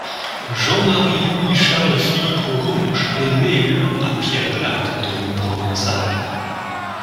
Jean-Marie Louis Charles Philippe Aurenche est né le à Pierrelatte, en Drôme provençale.